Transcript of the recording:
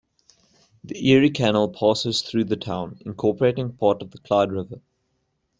The Erie Canal passes through the town, incorporating part of the Clyde River.